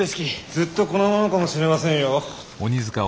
ずっとこのままかもしれませんよ。